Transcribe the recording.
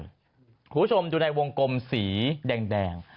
คุณผู้ชมดูในวงกลมสีแดง